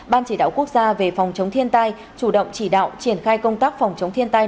ban chỉ đạo quốc gia về phòng chống thiên tai chủ động chỉ đạo triển khai công tác phòng chống thiên tai